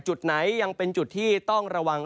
จุดไหนยังเป็นจุดที่ต้องระวัง